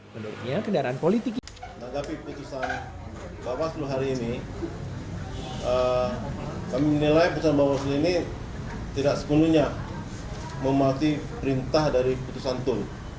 menanggapi putusan bawaslu hari ini kami menilai putusan bawaslu ini tidak sepenuhnya mematikan perintah dari putusan tun